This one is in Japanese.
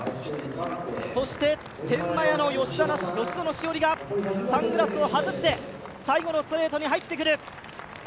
天満屋の吉薗栞がサングラスを外して、最後のストレートに入ってくる。